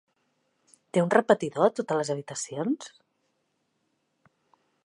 Té un repetidor a totes les habitacions?